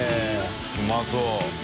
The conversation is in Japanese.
うまそう。